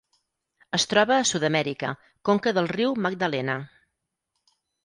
Es troba a Sud-amèrica: conca del riu Magdalena.